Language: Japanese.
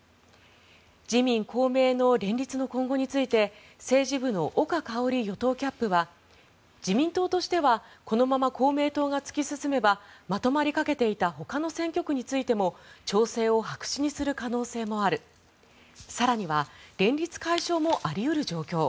自民・公明の連立の今後について政治部の岡香織与党キャップは自民党としてはこのまま公明党が突き進めばまとまりかけていたほかの選挙区についても調整を白紙にする可能性もある更には連立解消もあり得る状況